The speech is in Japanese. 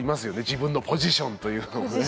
自分のポジションというのもね。